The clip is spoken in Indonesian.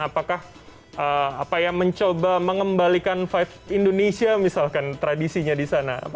apakah mencoba mengembalikan vibe indonesia misalkan tradisinya di sana